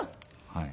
はい。